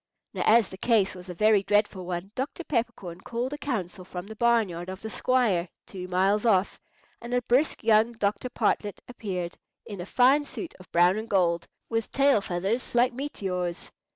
Now as the case was a very dreadful one, Dr. Peppercorn called a council from the barn yard of the squire, two miles off, and a brisk young Dr. Partlett appeared, in a fine suit of brown and gold, with tail feathers like meteors.